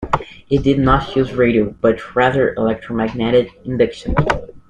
It did not use radio, but rather electromagnetic induction.